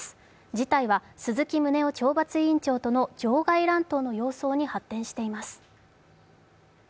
事態は鈴木宗男参議院懲罰委員長との場外乱闘に発展しています。